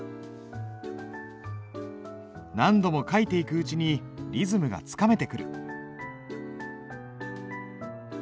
何度も書いていくうちにリズムがつかめてくる。